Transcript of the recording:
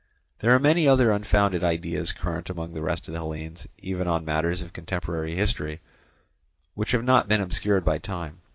There are many other unfounded ideas current among the rest of the Hellenes, even on matters of contemporary history, which have not been obscured by time.